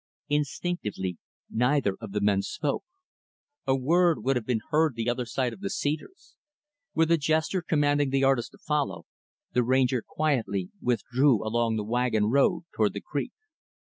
Instinctively, neither of the men spoke. A word would have been heard the other side of the cedars. With a gesture commanding the artist to follow, the Ranger quietly, withdrew along the wagon road toward the creek.